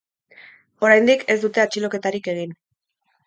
Oraindik ez dute atxiloketarik egin.